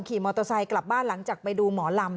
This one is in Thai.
ขี่มอเตอร์ไซค์กลับบ้านหลังจากไปดูหมอลำ